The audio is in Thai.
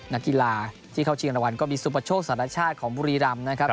นักกีฬาที่เข้าชิงรางวัลก็มีสุปโชคสารชาติของบุรีรำนะครับ